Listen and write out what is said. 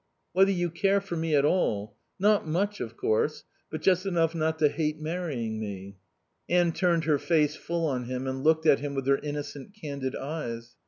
"Whether you care for me at all. Not much, of course, but just enough not to hate marrying me." Anne turned her face full on him and looked at him with her innocent, candid eyes.